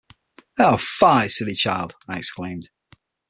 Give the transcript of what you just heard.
‘Oh, fie, silly child!’ I exclaimed.